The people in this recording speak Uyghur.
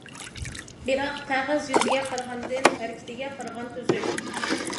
بىراق، قەغەز يۈزىگە قارىغاندىن، ھەرىكىتىگە قارىغان تۈزۈك.